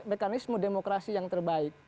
mekanisme demokrasi yang terbaik